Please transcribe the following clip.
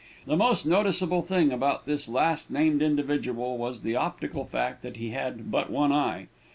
The most noticeable thing about this last named individual was the optical fact that he had but one eye.